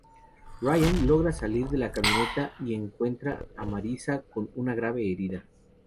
Ryan logra salir de la camioneta y encuentra a Marissa con una grave herida.